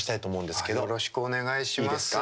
よろしくお願いします。